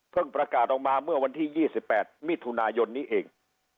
เพิ่งประกาศลงมาเมื่อวันที่ยี่สิบแปดมิถุนายนนี้เอง